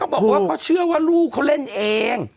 พ่อแม่ก็บอกว่าเขาเชื่อว่าลูกเขาเล่นเอง